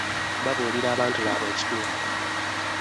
Babuulira abantu baabwe ekituufu